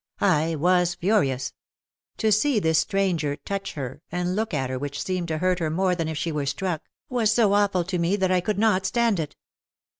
I was furious. To see this stranger touch her, and look at her which seemed to hurt her more than if she were struck, was so awful to me that I could not stand it.